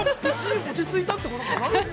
落ちついたってことかな？